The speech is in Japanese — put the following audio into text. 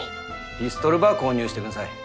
ピストルば購入してくんさい。